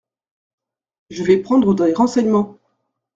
Je vais prendre des renseignements !…